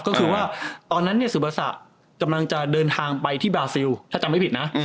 ก็คือว่าตอนนั้นเนี่ยสุประสะกำลังจะเดินทางไปที่บราซิลถ้าจำไม่ผิดนะ